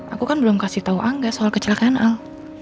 aku kan belum kasih tahu angga soal kecelakaan al